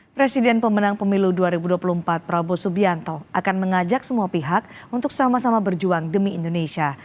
presiden pemenang pemilu dua ribu dua puluh empat prabowo subianto akan mengajak semua pihak untuk sama sama berjuang demi indonesia